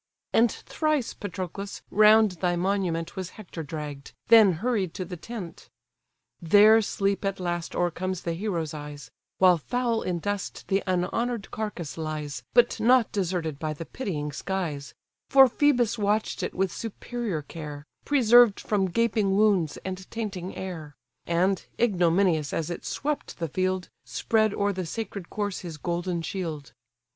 And thrice, Patroclus! round thy monument Was Hector dragg'd, then hurried to the tent. There sleep at last o'ercomes the hero's eyes; While foul in dust the unhonour'd carcase lies, But not deserted by the pitying skies: For Phœbus watch'd it with superior care, Preserved from gaping wounds and tainting air; And, ignominious as it swept the field, Spread o'er the sacred corse his golden shield.